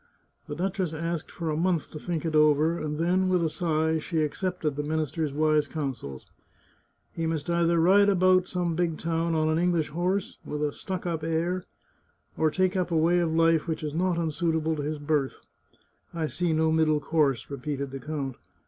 The duchess asked for a month to think it over, and then, with a sigh, she accepted the minister's wise counsels. " He must either ride about some big town on an English horse, with a stuck up air, or take up a way of life which is not unsuitable to his birth. I see no middle course," repeated the count.